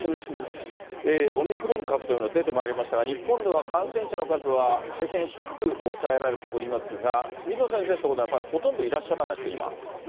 オミクロン株というのが出てまいりましたが、日本では感染者の数は大変低く抑えられておりますが、水野先生の所では、やっぱりほとんどいらっしゃらないです